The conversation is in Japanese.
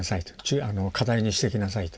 課題にしていきなさいと。